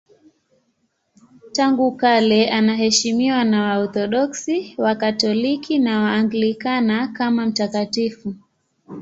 Tangu kale anaheshimiwa na Waorthodoksi, Wakatoliki na Waanglikana kama mtakatifu.